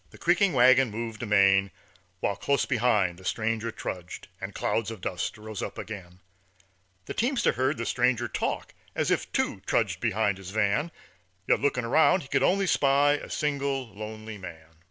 The creaking wagon moved amain, While close behind the stranger trudged, And clouds of dust rose up again. The teamster heard the stranger talk As if two trudged behind his van, Yet, looking 'round, could only spy A single lonely man.